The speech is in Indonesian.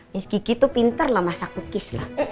miss gigi tuh pintar lah masak cookies lah